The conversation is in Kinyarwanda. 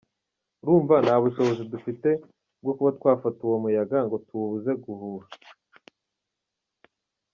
Urumva, nta bushobozi dufite bwo kuba twafata uwo muyaga ngo tuwubuze guhuha.